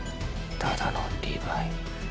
ただのリヴァイ。